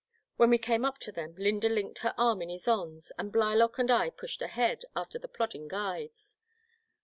When we came up to them I^ynda linked her arm in Ysonde's, and Blylock and I pushed ahead after the plodding guides.